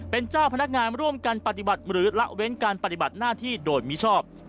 เป็นเจ้าพนักงานร่วมกันปฏิบัติหรือละเว้นการปฏิบัติหน้าที่โดยมิชอบ